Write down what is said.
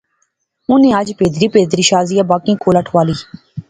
اُنی اج پھیدری پھیدری شازیہ باقیں کولا ٹھوالی